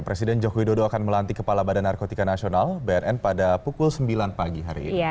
presiden joko widodo akan melantik kepala badan narkotika nasional bnn pada pukul sembilan pagi hari ini